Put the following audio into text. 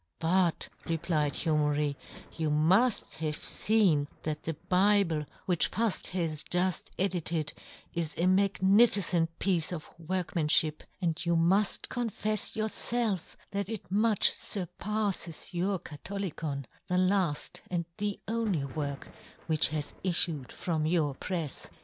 " But," replied Humery, ' you muft have feen that the Bible * which Fuft has juft edited is a ' magnificent piece of workman * fhip, and you muft confefs your ' felf that it much furpaffes your ' Katholicon, the laft and the only ' work which has iiTued from your ' prefs."